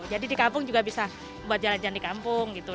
di kampung juga bisa buat jalan jalan di kampung gitu